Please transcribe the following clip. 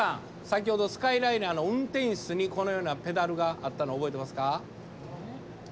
先ほどスカイライナーの運転室にこのようなペダルがあったの覚えてますか？